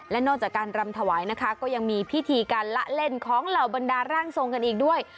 และนอกจากการรำถวายนะคะก็ยังมีพิธีการละเล่นของเหล่าบรรดาร่างทรงกันอีกด้วย